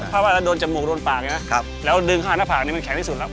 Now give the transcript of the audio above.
เพราะว่าเราโดนจมูกโดนปากนะครับครับแล้วดึงข้างหน้าผากนี่มันแข็งที่สุดแล้ว